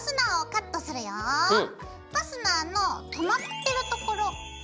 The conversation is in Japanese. ファスナーの留まってるところ。